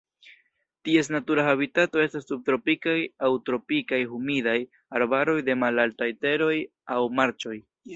Ties natura habitato estas subtropikaj aŭ tropikaj humidaj arbaroj de malaltaj teroj aŭ marĉoj.